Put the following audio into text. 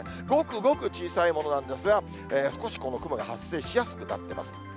ごくごく小さいものなんですが、少しこの雲が発生しやすくなってます。